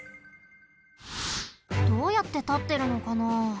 どうやってたってるのかな？